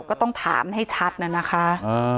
ก็ต้องถามให้ชัดน่ะนะคะ